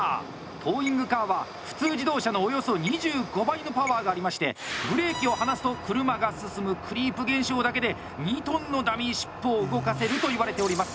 トーイングカーは普通自動車のおよそ２５倍のパワーがありましてブレーキを離すと車が進むクリープ現象だけで２トンのダミーシップを動かせるといわれております。